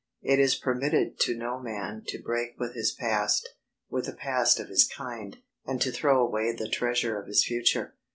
It is permitted to no man to break with his past, with the past of his kind, and to throw away the treasure of his future.